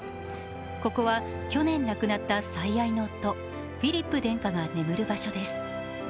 ここは、去年亡くなった最愛の夫フィリップ殿下が眠る場所です。